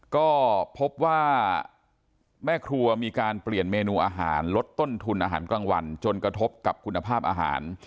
ก็พบว่าแม่ครัวมีการเปลี่ยนเมนูอาหารลดต้นทุนอาหารกลางวันจนกระทบกับคุณภาพอาหาร